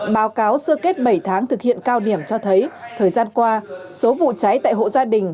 báo cáo sơ kết bảy tháng thực hiện cao điểm cho thấy thời gian qua số vụ cháy tại hộ gia đình